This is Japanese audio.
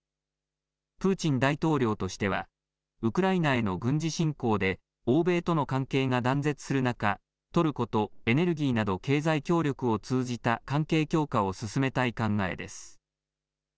プーチン大統領としてはウクライナへの軍事侵攻で欧米との関係が断絶する中トルコとエネルギーなど経済協力を通じた関係強化を進めたい考えです。